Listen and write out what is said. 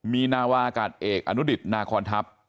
มีนาวาอากาศเอกอนุดิตนาคอนทัพ